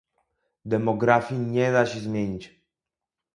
Demografii nie da się zmienić